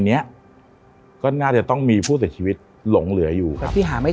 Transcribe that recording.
เนี้ยก็น่าจะต้องมีผู้เสียชีวิตหลงเหลืออยู่แต่ที่หาไม่